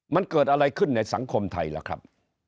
มันเกิดอะไรขึ้นในสังคมไทยล่ะครับ